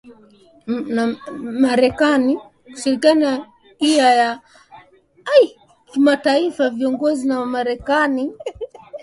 iya ya kimataifa ikiongozwa na marekani